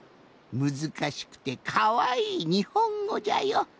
むずかしくてかわいいにほんごじゃよ。